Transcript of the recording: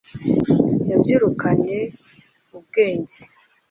yabyirukanye ubwenge